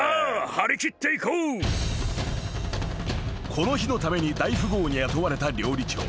［この日のために大富豪に雇われた料理長］